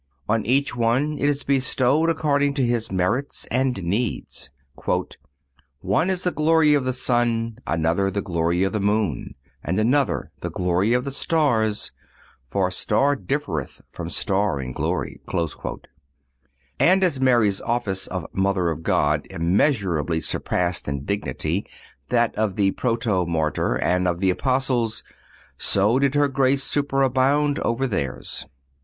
On each one it is bestowed according to his merits and needs. "One is the glory of the sun, another the glory of the moon, and another the glory of the stars, for star differeth from star in glory;"(242) and as Mary's office of Mother of God immeasurably surpassed in dignity that of the proto martyr and of the Apostles, so did her grace superabound over theirs.